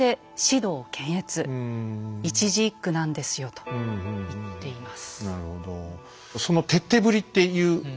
と言っています。